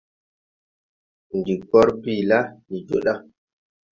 Ndi gor bii la, ndi joo da.